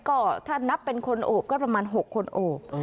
ก็ถ้านับเป็นคนโอบก็ประมาณ๖คนโอบ